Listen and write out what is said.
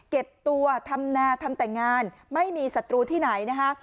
เก็บตัวทำนาทำแต่งงานไม่มีศัตรูที่ไหนนะคะ